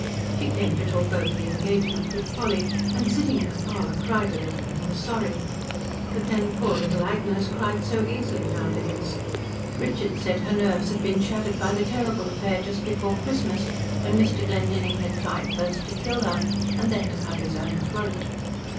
She came to talk over the engagement with Polly, and sitting in the parlour cried a little, and was sorry. But then "poor little Agnes" cried so easily nowadays. Richard said her nerves had been shattered by the terrible affair just before Christmas, when Mr. Glendinning had tried first to kill her, and then to cut his own throat.